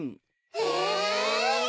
え！